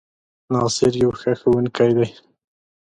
ناصر يو ښۀ ښوونکی دی